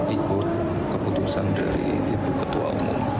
ikut keputusan dari ibu ketua umum